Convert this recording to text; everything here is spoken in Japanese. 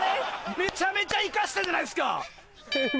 めちゃめちゃ生かしたじゃないすか！